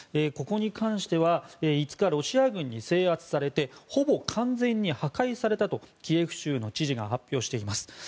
ここに関しては５日、ロシア軍に制圧されてほぼ完全に破壊されたとキエフ州の知事が発表してます。